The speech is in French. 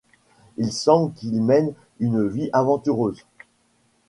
Il semble qu'il y mène une vie aventureuse.